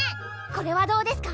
これはどうですか？